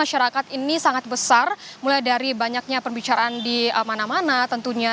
masyarakat ini sangat besar mulai dari banyaknya pembicaraan di mana mana tentunya